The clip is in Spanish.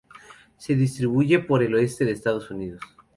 Se distribuye por el oeste de Estados Unidos.